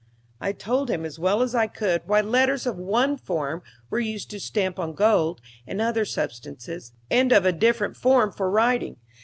I told him, as well as I could, why letters of one form were used to stamp on gold and other substances, and of a different form for writing.